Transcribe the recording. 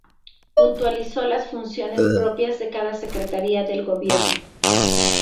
Puntualizó las funciones propias de cada secretaría del gobierno.